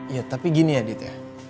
ya tapi gini ya dita